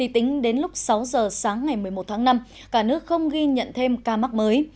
tính đến lúc sáu giờ sáng ngày một mươi một tháng năm cả nước không ghi nhận thêm ca mắc mới